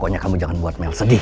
pokoknya kamu jangan buat mel sedih